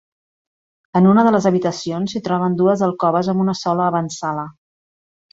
En una de les habitacions s'hi troben dues alcoves amb una sola avantsala.